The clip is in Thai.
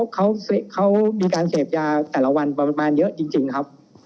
เขามีการเสพยาแต่ละวันประมาณเยอะจริงครับ